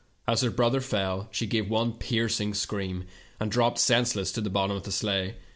As her brother fell she gave one piercing scream and dropped senseless to the bottom of the sleigh.